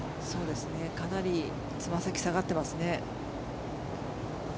かなりつま先、下がってますね。